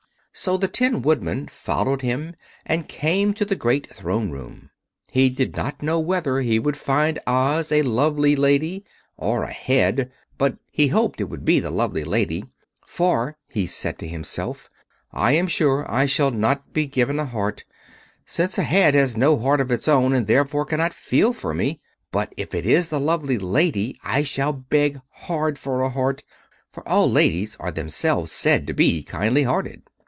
So the Tin Woodman followed him and came to the great Throne Room. He did not know whether he would find Oz a lovely Lady or a Head, but he hoped it would be the lovely Lady. "For," he said to himself, "if it is the head, I am sure I shall not be given a heart, since a head has no heart of its own and therefore cannot feel for me. But if it is the lovely Lady I shall beg hard for a heart, for all ladies are themselves said to be kindly hearted."